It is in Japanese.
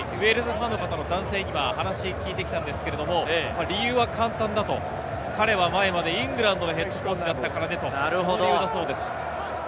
ウェールズファンの方の男性に話を聞いてきたんですけれども、理由は簡単だと、彼は前までイングランドのＨＣだったからねという理由だそうです。